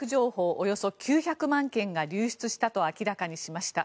およそ９００万件が流出したと明らかにしました。